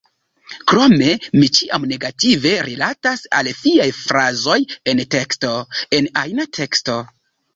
Krome, mi ĉiam negative rilatas al fiaj frazoj en teksto, en ajna teksto.